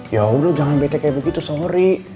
yaudah jangan bete kayak begitu sorry